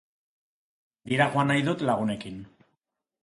Mendira joan nahi dut lagunekin